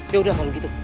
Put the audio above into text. ya udah kalau gitu